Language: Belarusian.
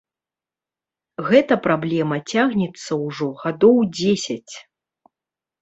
Гэта праблема цягнецца ўжо гадоў дзесяць.